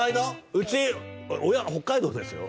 うち親北海道ですよ？